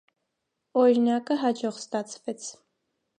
Օրինակը հաջող ստացվեց։